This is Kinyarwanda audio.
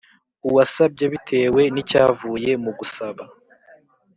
Uwasabye bitewe n icyavuye mu gusaba